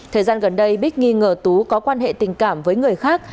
thời gian gần đây bích nghi ngờ tú có quan hệ tình cảm với người khác